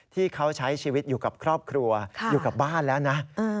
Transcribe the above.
ที่เขาใช้ชีวิตอยู่กับครอบครัวอยู่กับบ้านแล้วนะ